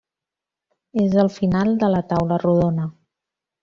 És el final de la taula rodona.